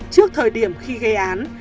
trước thời điểm khi gây án